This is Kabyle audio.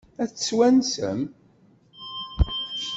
Ad tt-twansem?